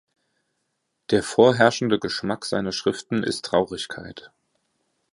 Der vorherrschende Geschmack seiner Schriften ist Traurigkeit.